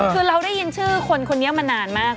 คือเราได้ยินชื่อคนเนี่ยมานานมากเลย